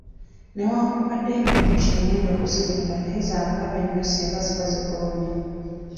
Newankubadde ng'enjuki nnungi okuzirunda naye za bulabe nnyo singa ziba zikulumye.